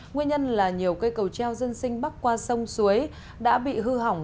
nguyên nhân là nhiều cây cầu treo dân sinh bắc qua sông suối đã bị hư hỏng